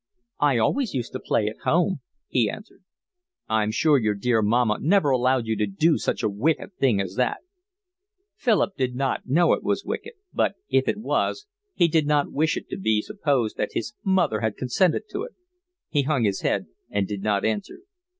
"I always used to play at home," he answered. "I'm sure your dear mamma never allowed you to do such a wicked thing as that." Philip did not know it was wicked; but if it was, he did not wish it to be supposed that his mother had consented to it. He hung his head and did not answer.